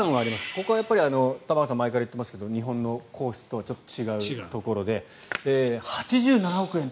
ここは玉川さんも前から言っていますが日本の皇室とはちょっと違うとことで８７億円。